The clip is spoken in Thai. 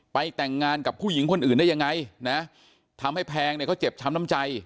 แต่งงานกับผู้หญิงคนอื่นได้ยังไงนะทำให้แพงเนี่ยเขาเจ็บช้ำน้ำใจ